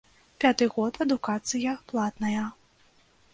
Пяты год адукацыя платная.